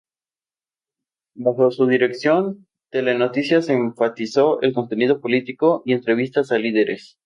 Bajo su dirección, "Telenoticias" enfatizó el contenido político y entrevistas a líderes.